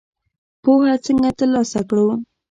پوهه څنګه تر لاسه کړو؟